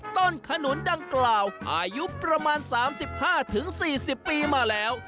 ต้นขนุนดังกล่าวอายุประมาณสามสิบห้าถึงสี่สิบปีมาแล้ว